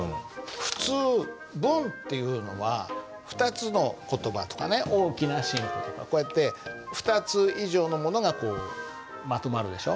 普通文っていうのは２つの言葉とかね「大きな進歩」とかこうやって２つ以上のものがこうまとまるでしょう。